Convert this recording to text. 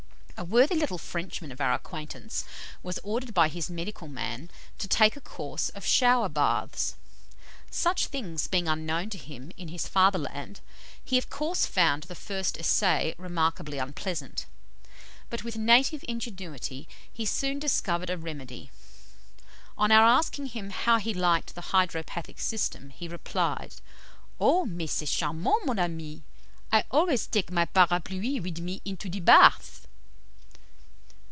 A worthy little Frenchman of our acquaintance was ordered by his medical man to take a course of shower baths. Such things being unknown to him in his fatherland, he of course found the first essay remarkably unpleasant, but with native ingenuity he soon discovered a remedy. On our asking him how he liked the hydropathic system, he replied, "Oh, mais c'est charmant, mon ami; I always take my parapluie wid me into de bath."